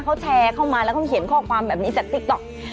เขาแชร์เข้ามาแล้วเขาเขียนข้อความแบบนี้จากติ๊กต๊อก